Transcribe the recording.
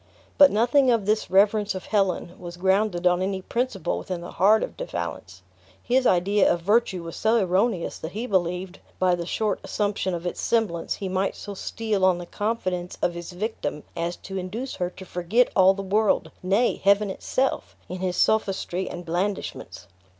But nothing of this reverence of Helen was grounded on any principle within the heart of De Valence. His idea of virtue was so erroneous that he believed, by the short assumption of its semblance, he might so steal on the confidence of his victim as to induce her to forget all the world nay, heaven itself in his sophistry and blandishments.